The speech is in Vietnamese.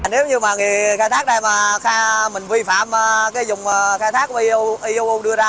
nếu như mà người khai thác đây mà mình vi phạm cái dùng khai thác của iou đưa ra